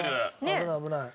危ない危ない。